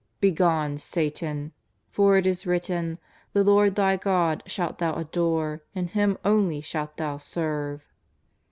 " Begone, Satan ! for it is written : The Lord thy God shalt thou adore and Him only shalt thou serve."